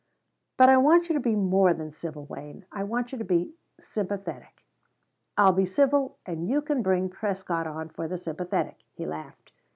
"But I want you to be more than civil, Wayne; I want you to be sympathetic." "I'll be civil and you can bring Prescott on for the sympathetic," he laughed.